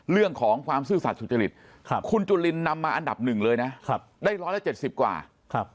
เรื่องของความซื่อสัตว์สุจริตคุณจุลินนำมาอันดับหนึ่งเลยนะได้๑๗๐กว่า